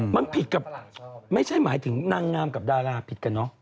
มันผิดกับไม่ใช่หมายถึงนางงามกับดาราผิดกันเนอะ